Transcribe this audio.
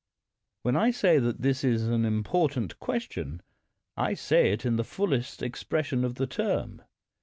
"When I saj' that this is an important question I say it in the fullest expression of the term.